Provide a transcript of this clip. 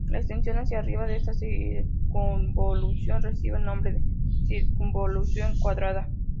La extensión hacia arriba de esta circunvolución recibe el nombre de circunvolución cuadrada.